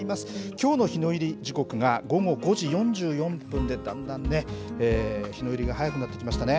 きょうの日の入り時刻が午後５時４４分で、だんだんね、日の入りが早くなってきましたね。